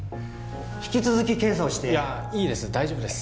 引き続き検査をしていやいいです大丈夫です